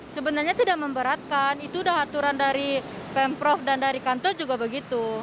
sebenarnya tidak memberatkan itu sudah aturan dari pemprov dan dari kantor juga begitu